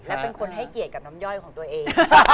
และเป็นคนให้เกียรติกับน้ำย่อยของตัวเอง